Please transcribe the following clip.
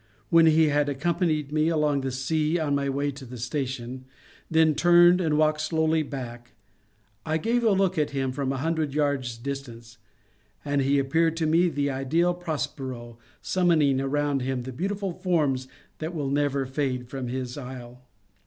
When he had accompanied me along the sea on my way to the station, then turned and walked slowly back, I gave a look at him from a hundred yards distance, and he appeared to me the ideal Prospero summoning around him the beautiful forms that will never fade from his isle.